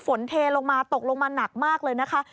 เทลงมาตกลงมาหนักมากเลยนะคะ